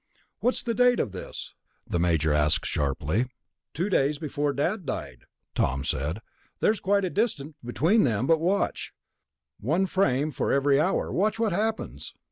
"What was the date of this?" the Major asked sharply. "Two days before Dad died," Tom said. "There's quite a distance between them there ... but watch. One frame for every hour. Watch what happens."